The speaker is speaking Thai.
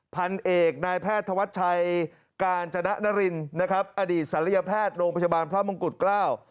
พันเอกนายแพทย์ธวัชชัยกาญจนรินนะครับอดีตศัลยแพทย์โรงพยาบาลพระมงกุฎเกล้า